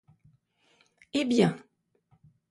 Hé bien!